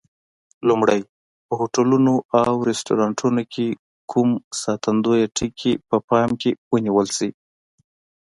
لومړی: په هوټلونو او رستورانتونو کې کوم ساتندویه ټکي په پام کې ونیول شي؟